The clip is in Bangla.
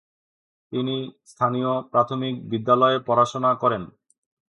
তিনি স্থানীয় প্রাথমিক বিদ্যালয়ে পড়াশোনা করেন।